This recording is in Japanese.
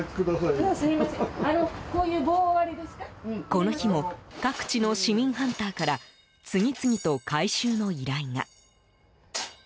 この日も各地の市民ハンターから次々と回収の依頼が。